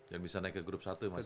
yang bisa naik ke group satu ya mas